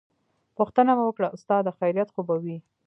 پوښتنه مې وکړه استاده خيريت خو به وي.